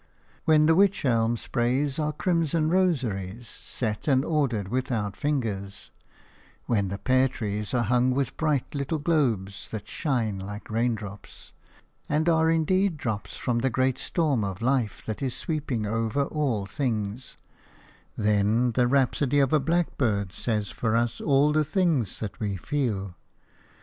When the wych elm sprays are crimson rosaries, set and ordered without fingers; when the pear trees are hung with bright little globes that shine like raindrops, and are indeed drops from the great storm of life that is sweeping over all things – then the rhapsody of a blackbird says for us all the things that we feel.